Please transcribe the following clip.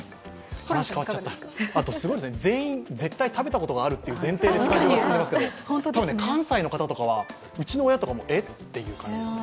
あと、全員、絶対食べたことがあるという前提で進んでいますけど多分関西の方とかは、うちの親もえ？という感じです。